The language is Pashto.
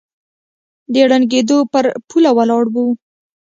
د ړنګېدو پر پوله ولاړ و